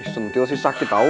sentil sih sakit tau